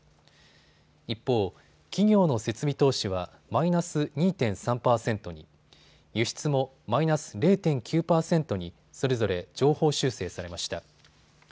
一方、企業の設備投資はマイナス２．３％に、輸出もマイナス０．９％にそれぞれ上方修正されました。